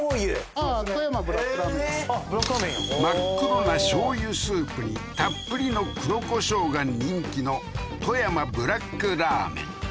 ああー真っ黒な醤油スープにたっぷりの黒コショウが人気の富山ブラックラーメン